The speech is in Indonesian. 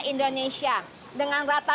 indonesia dengan rata